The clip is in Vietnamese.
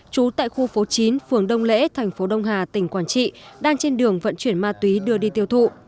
trú tại khu phố chín phường đông lễ thành phố đông hà tỉnh quảng trị đang trên đường vận chuyển ma túy đưa đi tiêu thụ